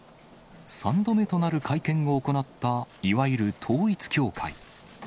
３度目となる会見を行ったいわゆる統一教会。